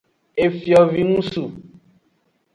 Efiovingsu.